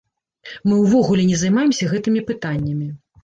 Мы увогуле на займаемся гэтымі пытаннямі.